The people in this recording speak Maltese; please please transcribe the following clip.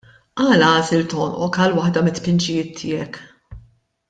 Għala għażilt għonqok għal waħda mit-tpinġijiet tiegħek?